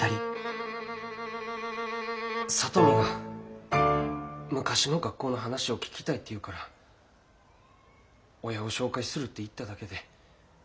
里美が昔の学校の話を聞きたいって言うから親を紹介するって言っただけで。